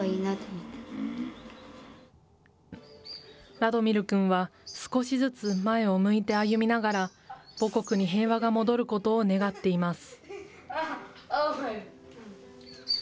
ラドミル君は、少しずつ前を向いて歩みながら、母国に平和が戻ることを願っています。